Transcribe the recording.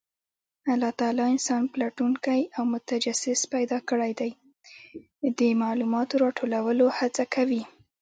الله تعالی انسان پلټونکی او متجسس پیدا کړی دی، د معلوماتو راټولولو هڅه کوي.